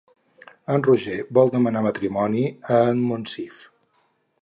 En Roger vol demanar matrimoni a en Monsif.